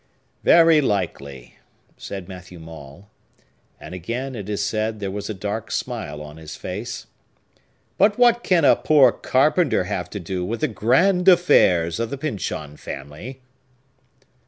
"Very likely," said Matthew Maule,—and again, it is said, there was a dark smile on his face,—"but what can a poor carpenter have to do with the grand affairs of the Pyncheon family?"